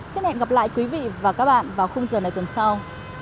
xin hẹn gặp lại quý vị và các bạn vào khung giờ này tuần sau